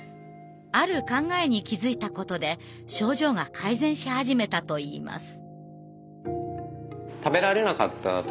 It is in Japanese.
ある考えに気づいたことで症状が改善し始めたといいます。